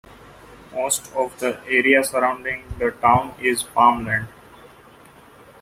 Most of the area surrounding the town is farmland.